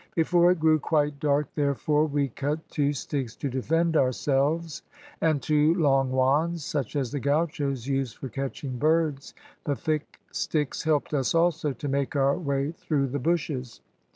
Before it grew quite dark, therefore, we cut two sticks to defend ourselves, and two long wands, such as the gauchos use for catching birds; the thick sticks helped us also to make our way through the bushes.